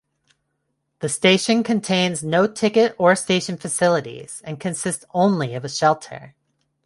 The station contains no ticket or station facilities and consists only of a shelter.